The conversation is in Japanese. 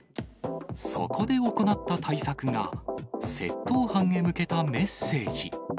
そこで行った対策が、窃盗犯へ向けたメッセージ。